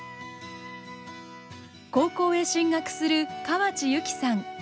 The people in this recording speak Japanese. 高校へ進学する河内優希さん。